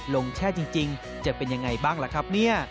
ลงแช่จริงจะเป็นอย่างไรบ้างล่ะครับ